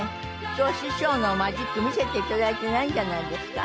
今日師匠のマジック見せて頂いていないんじゃないですか？